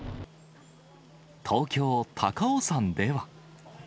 東京・高尾山では。